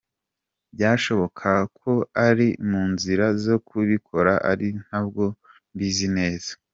Byashoboka ko bari mu nzira zo kubikora ariko ntabwo mbizi neza.